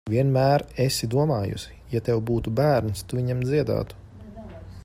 Vienmēr esi domājusi, ja tev būtu bērns, tu viņam dziedātu.